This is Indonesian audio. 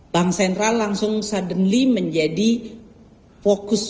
bank sentral langsung suddenly menjadi fokus